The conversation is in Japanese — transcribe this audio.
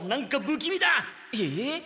えっ？